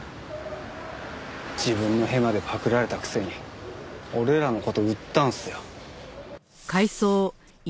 自分のヘマでパクられたくせに俺らの事売ったんすよ。